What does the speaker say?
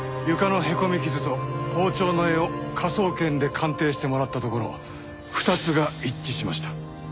傷と包丁の柄を科捜研で鑑定してもらったところ２つが一致しました。